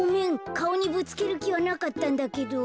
かおにぶつけるきはなかったんだけど。